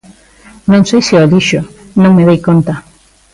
Non sei se o dixo, non me dei conta.